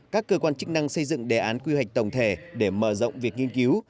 các cơ quan chức năng xây dựng đề án quy hoạch tổng thể để mở rộng việc nghiên cứu